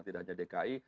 tidak hanya dki